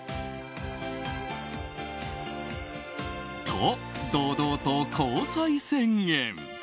と、堂々と交際宣言。